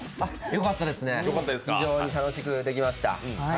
よかったですね、非常に楽しくできました。